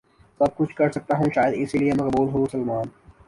سب کچھ کرسکتا ہوں شاید اس لیے مقبول ہوں سلمان